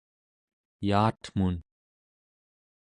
yaatmun